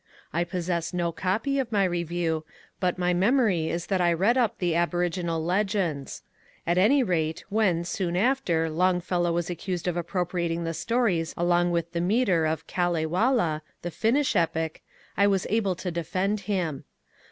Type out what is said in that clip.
I possess no copy of my review, but my memory is that I had read up the aboriginal legends. At any rate, when, soon after, Longfellow was accused of ap propriating the stories along with the metre of '^ Ealewala," the Finnish epic, I was able to defend him.